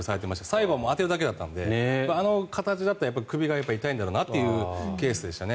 最後は当てるだけだったんであの形だと首が痛いんだろうなというケースでしたね。